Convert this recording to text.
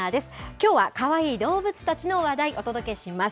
きょうはかわいい動物たちの話題、お届けします。